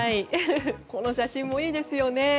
この写真もいいですよね。